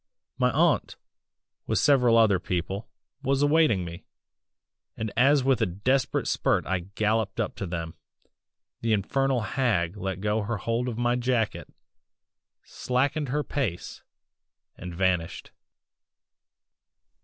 "My aunt, with several other people, was awaiting me, and as with a desperate spurt I galloped up to them, the infernal hag let go her hold of my jacket, slackened her pace and vanished."